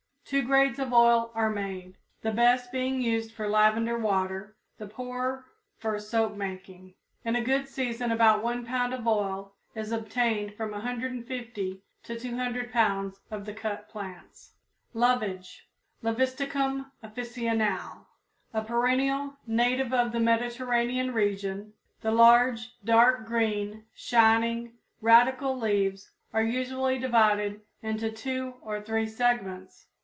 Two grades of oil are made, the best being used for lavender water, the poorer for soap making. In a good season about one pound of oil is obtained from 150 to 200 pounds of the cut plants. =Lovage= (Levisticum officinale, Koch.), a perennial, native of the Mediterranean region. The large, dark green, shining radical leaves are usually divided into two or three segments.